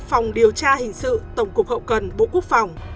hành sự tổng cục hậu cần bộ quốc phòng